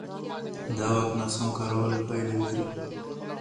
د واک ناسم کارول پایلې لري